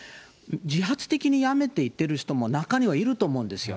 自発的にやめていっている人も、中にはいると思うんですよ。